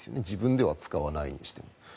自分では使わないにしても。